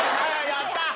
やったー！